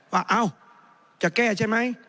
ว่าเอาจะแก้ใช่ไหม